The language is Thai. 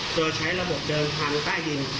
โดยใช้ระบบเดินทางใต้ดิน